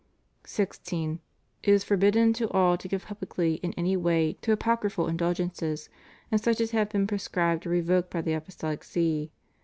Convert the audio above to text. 16. It is forbidden to all to give publicity in any way to apocryphal indulgences, and such as have been proscribed or revoked by the Apostolic See.